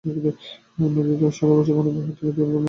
নদীটিতে সারাবছর পানিপ্রবাহ থাকে এবং ছোটবড় নৌযান চলাচল করে।